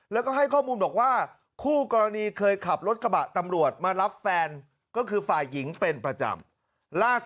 แล้วก็ให้ข้อมูลบอกว่าคู่กรณีเคยขับรถกระบะตำรวจมารับแฟนก็คือฝ่ายหญิงเป็นประจำล่าสุด